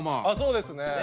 あっそうですね。